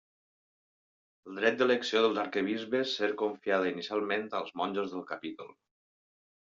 El dret d'elecció dels arquebisbes ser confiada inicialment als monjos del capítol.